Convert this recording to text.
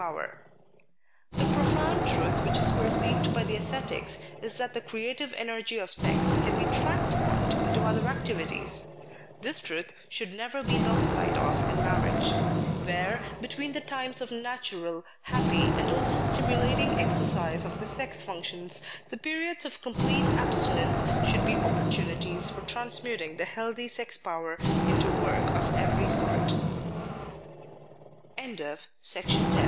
76 Married Love The profound truth which is perceived by the ascetics is that the creative energy of sex can be trans formed into other activities. This truth should never be lost sight of in marriage; where between the times of natural, happy, and also stimulating exercise of the sex functions, the periods of complete abstinence should be opportunities for transmuting the healthy sex power into